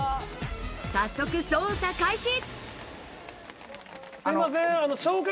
早速、捜査開始。